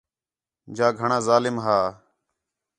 جا گھݨاں ظالم ہا